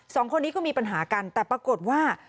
สองคนนี้ก็มีปัญหากันแต่ปรากฏว่า